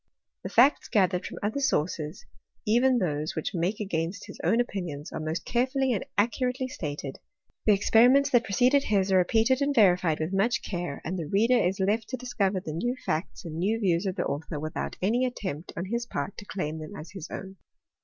The facts gathered from other sources, even those which make against his own opinions, are most carefully and accurately stated : the experiments that preceded his are repeated and verified with much care ; and the reader is left to discover the new facts and new views of the author, without any attempt on his part to claim them as his own.